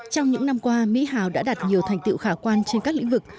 trong những năm qua mỹ hào đã đạt nhiều thành tiệu khả quan trên các lĩnh vực